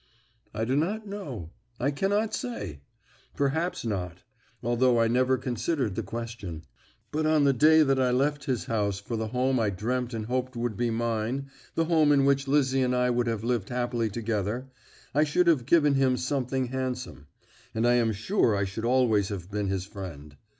"I do not know I cannot say. Perhaps not; although I never considered the question. But on the day that I left his house for the home I dreamt and hoped would be mine, the home in which Lizzie and I would have lived happily together. I should have given him something handsome, and I am sure I should always have been his friend.